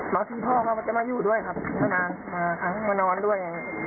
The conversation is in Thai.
น้องที่พ่อมันจะมาอยู่ด้วยครับมานานมานอนด้วย